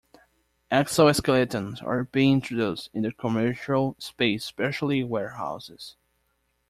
Exo-skeletons are being introduced in the commercial space especially warehouses.